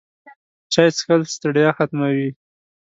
چای څښل د ستړیا ختموي